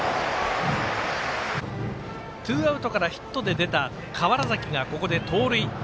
ツーアウトからヒットで出た川原崎の盗塁。